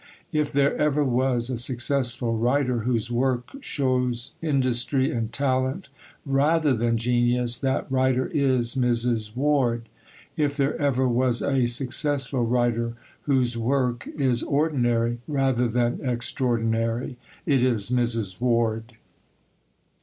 If there ever was a successful writer whose work shows industry and talent rather than genius, that writer is Mrs. Ward. If there ever was a successful writer whose work is ordinary rather than extraordinary, it is Mrs. Ward.